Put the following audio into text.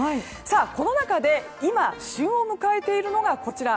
この中で、今旬を迎えているのがこちら